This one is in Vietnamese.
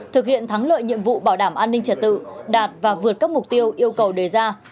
thực hiện thắng lợi nhiệm vụ bảo đảm an ninh trật tự đạt và vượt các mục tiêu yêu cầu đề ra